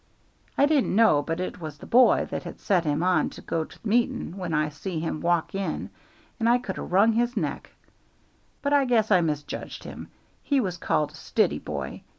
I didn't know but it was the boy that had set him on to go to meeting when I see him walk in, and I could 'a wrung his neck; but I guess I misjudged him; he was called a stiddy boy.